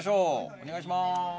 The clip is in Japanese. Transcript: おねがいします。